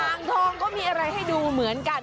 อ่างทองก็มีอะไรให้ดูเหมือนกัน